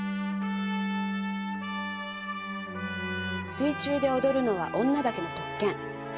「水中で踊るのは女だけの特権。